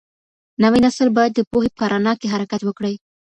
نوی نسل باید د پوهې په رڼا کي حرکت وکړي.